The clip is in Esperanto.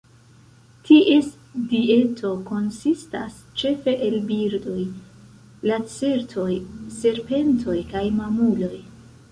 Ties dieto konsistas ĉefe el birdoj, lacertoj, serpentoj kaj mamuloj.